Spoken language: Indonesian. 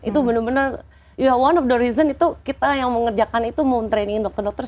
itu benar benar one of the reason kita yang mengerjakan itu mau ngerjakan dokter dokter